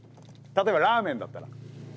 例えばラーメンだったら。